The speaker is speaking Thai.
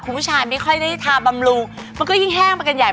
คุณผู้ชายไม่ค่อยได้ทาบำรุงมันก็ยิ่งแห้งไปกันใหญ่